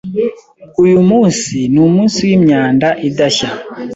Uyu munsi numunsi wimyanda idashya.